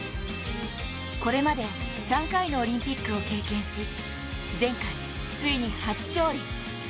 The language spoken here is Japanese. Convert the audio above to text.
これまで３回のオリンピックを経験し前回、ついに初勝利。